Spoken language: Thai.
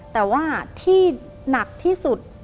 แต่ว่าที่หนักที่สุด